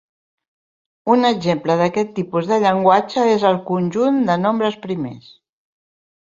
Un exemple d'aquest tipus de llenguatge és el conjunt de nombres primers.